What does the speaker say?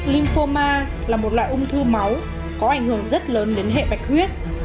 linfoma là một loại ung thư máu có ảnh hưởng rất lớn đến hệ bạch huyết